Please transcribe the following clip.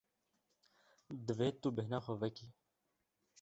Divê tu bêhna xwe vekî.